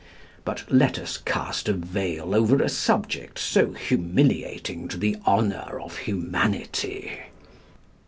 But let us cast a veil over a subject so humiliating to the honour of humanity!"